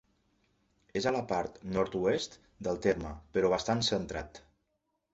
És a la part nord-oest del terme, però bastant centrat.